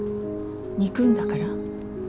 憎んだから？